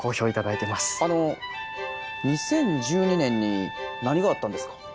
あの２０１２年に何があったんですか？